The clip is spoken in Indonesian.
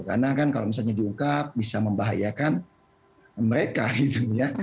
karena kan kalau misalnya diungkap bisa membahayakan mereka gitu ya